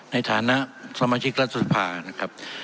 ในฐานะสมาชิกรัฐสภานะครับ